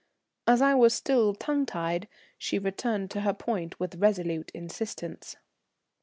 As I was still tongue tied, she returned to her point with resolute insistence.